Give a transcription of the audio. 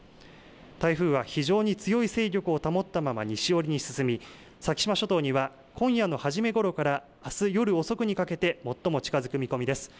台風は非常に強い勢力を保ったまま西寄りに進み、先島諸島には今夜のはじめごろからあす夜遅くにかけて最も近づく見込みです。